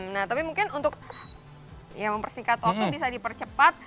nah tapi mungkin untuk ya mempersingkat waktu bisa dipercepat